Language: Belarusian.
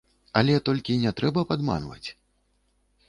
Але толькі не трэба падманваць.